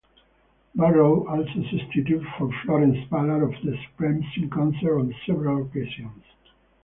Barrow also substituted for Florence Ballard of the Supremes in concert on several occasions.